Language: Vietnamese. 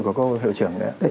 của cô hội trưởng đấy